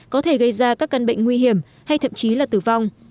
có thể gây ra các căn bệnh nguy hiểm hay thậm chí là tử vong